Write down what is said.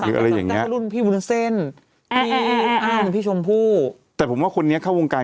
หรืออะไรอย่างเงี้ยรุ่นพี่บริเศษอ่ะอ่ะอ่ะพี่ชมผู้แต่ผมว่าคนนี้เข้าวงการ